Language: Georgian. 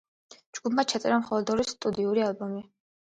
ჯგუფმა ჩაწერა მხოლოდ ორი სტუდიური ალბომი.